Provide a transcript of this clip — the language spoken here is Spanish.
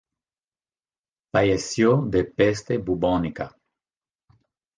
Falleció de peste bubónica.